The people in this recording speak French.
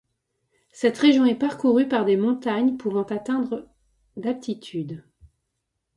Cette région est parcourue par des montagnes pouvant atteindre d'altitude.